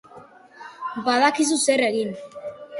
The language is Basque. Badakizu zer egin